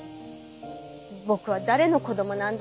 僕は誰の子供なんだって。